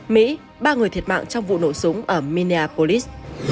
mỹ ba người thiệt mạng trong vụ nổ súng ở minneapolis